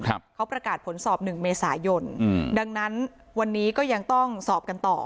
ครับเขาประกาศผลสอบหนึ่งเมษายนอืมดังนั้นวันนี้ก็ยังต้องสอบกันต่อ